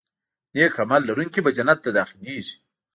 نیک عمل لرونکي به جنت ته داخلېږي.